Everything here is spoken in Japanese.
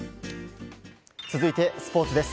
続いて、スポーツです。